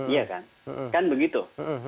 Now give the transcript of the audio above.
iya kan kan begitu